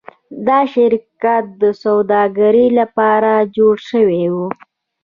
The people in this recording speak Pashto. دا شرکت د سوداګرۍ لپاره جوړ شوی و.